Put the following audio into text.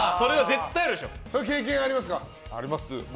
そういう経験ありますか？